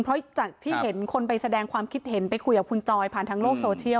เพราะจากที่เห็นคนไปแสดงความคิดเห็นไปคุยกับคุณจอยผ่านทางโลกโซเชียล